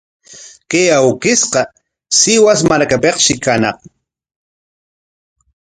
Chay awkishqa Sihuas markapikshi kañaq.